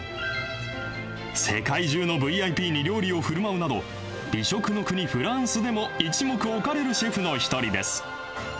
世界中のＶＩＰに料理をふるまうなど、美食の国、フランスでも一目置かれるシェフの一人です。